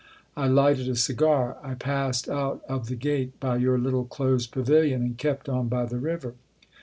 I lighted a cigar; I passed out of the gate by your little closed pavilion and kept on by the river."